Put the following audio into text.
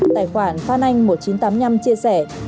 tài khoản phan anh một nghìn chín trăm tám mươi năm chia sẻ